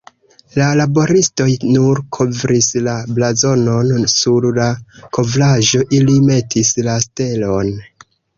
La laboristoj nur kovris la blazonon, sur la kovraĵo ili metis la stelon.